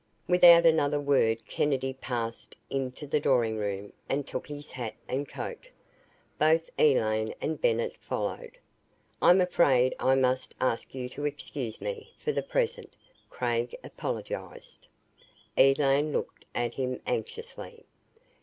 Without another word Kennedy passed into the drawing room and took his hat and coat. Both Elaine and Bennett followed. "I'm afraid I must ask you to excuse me for the present," Craig apologized. Elaine looked at him anxiously.